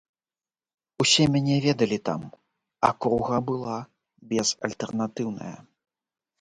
Усе мяне ведалі там, акруга была безальтэрнатыўная.